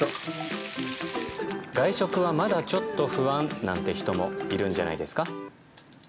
「外食はまだちょっと不安」なんて人もいるんじゃないですか？